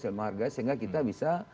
saling menghargai sehingga kita bisa